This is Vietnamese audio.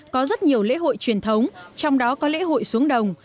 có rất nhiều lễ hội truyền thống trong đó có lễ hội xuống đồng